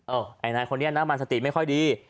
ไอ้นายคนนี้นะมันสติไม่ค่อยดี